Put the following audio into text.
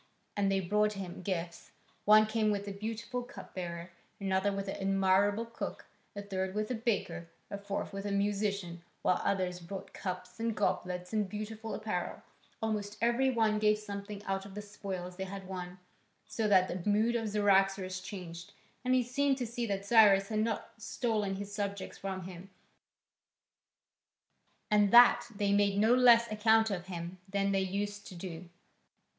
And they brought him gifts; one came with a beautiful cup bearer, another with an admirable cook, a third with a baker, a fourth with a musician, while others brought cups and goblets and beautiful apparel; almost every one gave something out of the spoils they had won. So that the mood of Cyaxares changed, and he seemed to see that Cyrus had not stolen his subjects from him, and that they made no less account of him than they used to do.